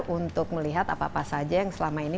untuk melihat apa apa saja yang selama ini